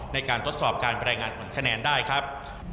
ในการทดสอบการรายงานผลคะแนนได้ครับ